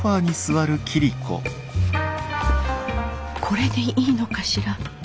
これでいいのかしら。